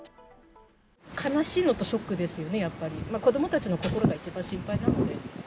悲しいのとショックですよね、やっぱり、子どもたちの心が一番心配なので。